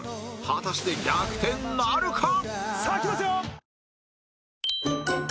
果たして逆転なるか！？